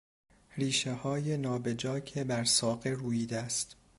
ریشههای نابجا که بر ساقه روییده است